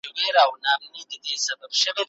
په نوموړې موضوع کي د شريعت نظر څه دی؟